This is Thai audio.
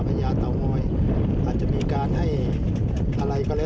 ญาเตางอยอาจจะมีการให้อะไรก็แล้ว